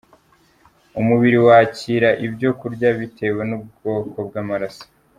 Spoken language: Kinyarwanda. Umubiri wakira ibyo kurya bitewe n’ubwoko bw’amaraso